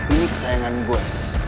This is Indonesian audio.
ini kesayangan gue